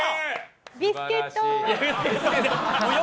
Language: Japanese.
ビスケット！